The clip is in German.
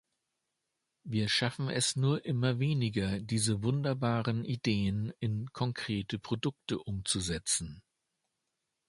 Wir schaffen es nur immer weniger, diese wunderbaren Ideen in konkrete Produkte umzusetzen.